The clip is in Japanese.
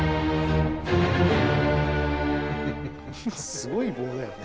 すごい棒だよね。